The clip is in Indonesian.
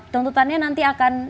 tuntutannya nanti akan